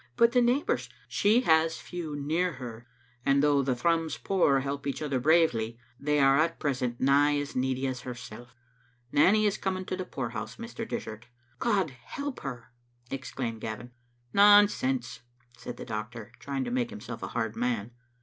" But the neighbours "" She has few near her, and though the Thrums poor help each other bravely, they are at present nigh as needy as herself. Nanny is coming to the poorhouse, Mr. Dishart." " God help her!" exclaimed Gavin. " Nonsense," said the doctor, trying to make himself a hard man.